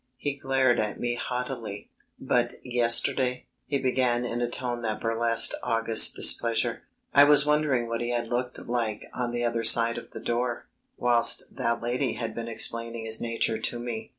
He glared at me haughtily. "But yesterday ..." he began in a tone that burlesqued august displeasure. I was wondering what he had looked like on the other side of the door whilst that lady had been explaining his nature to me.